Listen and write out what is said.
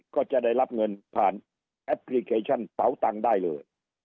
ก็จะได้รับเงินผ่านแอปพลิเคชันเป๋าตังค์ได้เลย